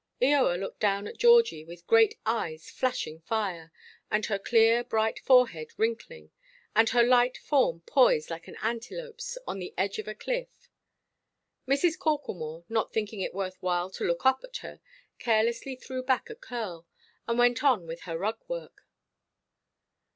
Eoa looked down at Georgie, with great eyes flashing fire, and her clear, bright forehead wrinkling, and her light form poised like an antelopeʼs on the edge of a cliff. Mrs. Corklemore, not thinking it worth while to look up at her, carelessly threw back a curl, and went on with her rug–work.